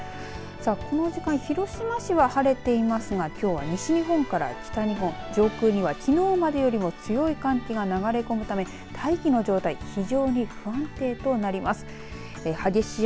この時間、広島市は晴れていますがきょうは西日本から北日本上空にはきのうまでより強い寒気が流れ込むため大気の状態非常に不安定となります。